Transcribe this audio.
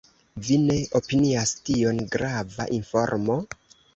Vi ne opinias tion grava informo?